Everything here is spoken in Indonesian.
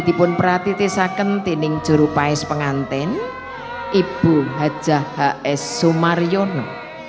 tipun perhatiti saken tending jurupais penganten ibu haja hhs sumariono